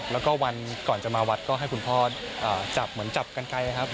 แล้วก็วันก่อนจะมาวัดก็ให้คุณพ่อจับเหมือนจับกันไกลครับ